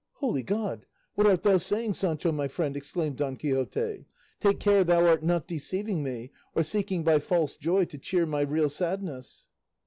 "Holy God! what art thou saying, Sancho, my friend?" exclaimed Don Quixote. "Take care thou art not deceiving me, or seeking by false joy to cheer my real sadness."